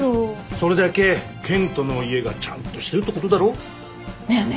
それだけ健人の家がちゃんとしてるってことだろ？だよね。